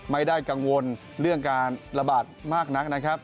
ไม่ได้กังวลเรื่องการระบาดมากนักนะครับ